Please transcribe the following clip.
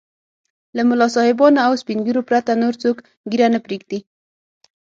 له ملا صاحبانو او سپين ږيرو پرته نور څوک ږيره نه پرېږدي.